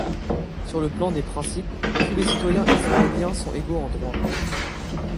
Sur le plan des principes, tous les citoyens israéliens sont égaux en droit.